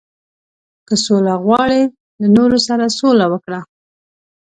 • که سوله غواړې، له نورو سره سوله وکړه.